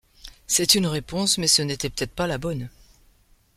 C’est une réponse, mais ce n’était peut-être pas la bonne !